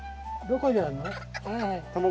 どこにあるの？